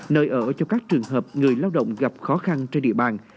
nơi ở cho các trường hợp người lao động gặp khó khăn trên địa bàn